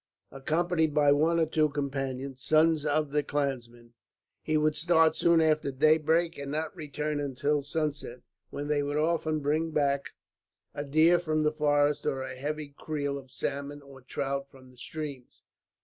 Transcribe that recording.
Accompanied by one or two companions, sons of the clansmen, he would start soon after daybreak and not return until sunset, when they would often bring back a deer from the forests, or a heavy creel of salmon or trout from the streams.